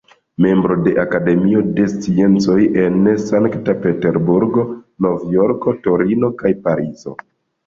Membro de Akademio de Sciencoj en Sankt-Peterburgo, Nov-Jorko, Torino kaj Parizo.